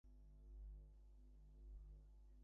মসজিদ খুঁজে বের করতেও অনেক সময় লাগল।